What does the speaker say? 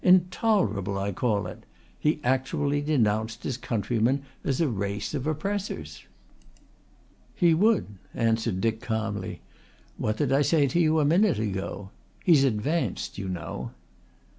"Intolerable I call it. He actually denounced his own countrymen as a race of oppressors." "He would," answered Dick calmly. "What did I say to you a minute ago? He's advanced, you know."